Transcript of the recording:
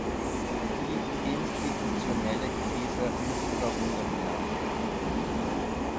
Die institutionelle Krise muss überwunden werden.